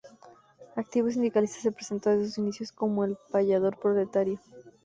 Activo sindicalista, se presentó desde sus inicios como "El payador proletario".